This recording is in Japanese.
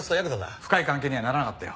深い関係にはならなかったよ。